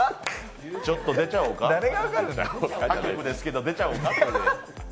ちょっと出ちゃおうか他局ですけど、出ちゃおうか。